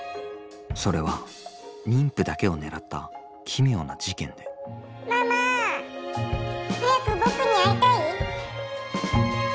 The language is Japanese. それは妊婦だけを狙った奇妙な事件で「ママ早く僕に会いたい？」。